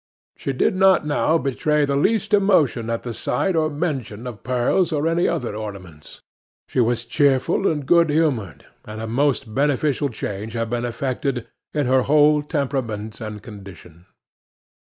She did not now betray the least emotion at the sight or mention of pearls or any other ornaments. She was cheerful and good humoured, and a most beneficial change had been effected in her whole temperament and condition.